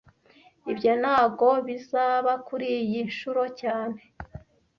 Ibyo ntago bizaba kuriyi nshuro cyane